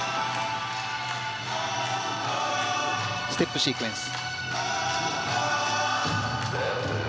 ステップシークエンス。